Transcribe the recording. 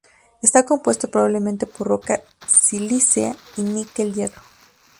Está compuesto probablemente por roca silícea y níquel-hierro.